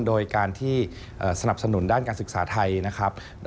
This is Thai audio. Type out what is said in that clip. โดยการที่สนับสนุนด้านการศึกษาไทยนะครับ